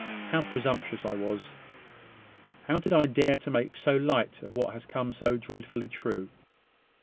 How presumptuous I was! How did I dare to make so light of what has come so dreadfully true?